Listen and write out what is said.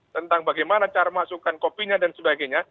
tentang bagaimana cara masukkan kopinya dan sebagainya